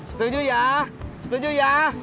setuju ya setuju ya